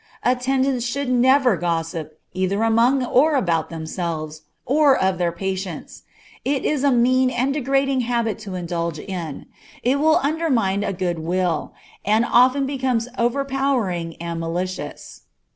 Attendants should never gossip, either among or about themselves, or of their patients. It is a mean and degrading habit to indulge in; it will undermine a good character, and often become overpowering and malicious.